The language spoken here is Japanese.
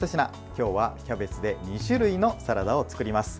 今日はキャベツで２種類のサラダを作ります。